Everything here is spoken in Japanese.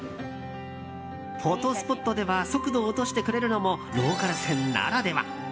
フォトスポットでは速度を落としてくれるのもローカル線ならでは。